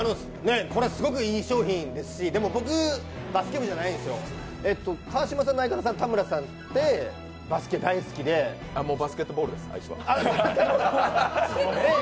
これ、すごくいい商品ですしでも、僕バスケ部じゃないんですよ川島さんの相方の田村さんってバスケ大好きでバスケットボールです。